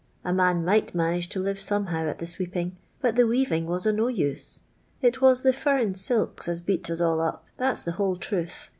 A man might manage to li tm iomehaw at the sweeping, but the wesunng wot a no mm. It waa the furrin silks as beat us all up, that 'a the vrhole truth.